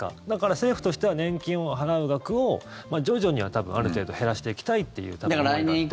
だから、政府としては年金を払う額を徐々には多分、ある程度減らしていきたいという思いがあって。